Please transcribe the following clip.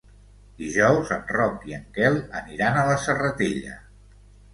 Dijous en Roc i en Quel aniran a la Serratella.